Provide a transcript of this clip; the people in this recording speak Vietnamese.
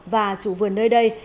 và chủ vườn nơi đây